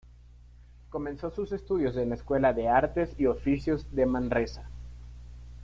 Comenzó sus estudios en la Escuela de Artes y Oficios de Manresa.